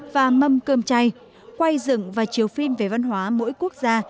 và mâm cơm chay quay dựng và chiếu phim về văn hóa mỗi quốc gia